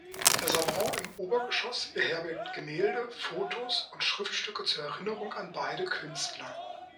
Der Salon im Obergeschoss beherbergt Gemälde, Fotos und Schriftstücke zur Erinnerung an beide Künstler.